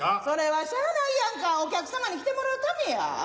それはしゃあないやんかお客様に来てもらうためや。